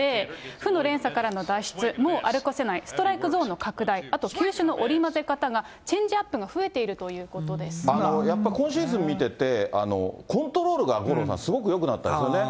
負の連鎖からの脱出、もう歩かせない、ストライクゾーンの拡大、あと球種の織り交ぜ方がチェンジアップが増えているということでやっぱり今シーズン見ていて、コントロールが、五郎さん、すごくよくなったですよね。